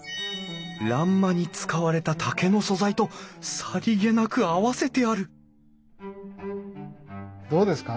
欄間に使われた竹の素材とさりげなく合わせてあるどうですか？